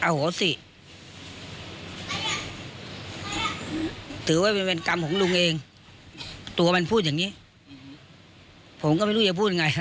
ให้เป็นเรื่องของเจ้าหน้าที่ดีกว่าเราไม่มีติดตัดสิน